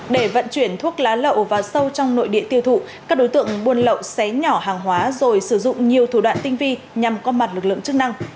để vận chuyển thuốc lá lậu và sâu trong nội địa tiêu thụ các đối tượng buôn lậu xé nhỏ hàng hóa rồi sử dụng nhiều thủ đoạn tinh vi nhằm qua mặt lực lượng chức năng